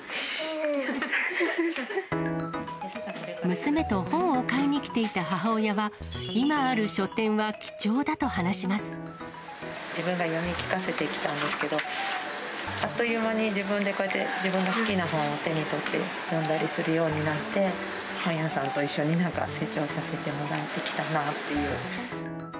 娘と本を買いに来ていた母親は、自分が読み聞かせてきたんですけれども、あっという間に自分でこうやって、自分の好きな本を手に取って読んだりするようになって、本屋さんと一緒に、なんか成長させてもらってきたなという。